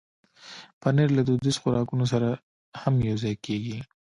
پنېر له دودیزو خوراکونو سره هم یوځای کېږي.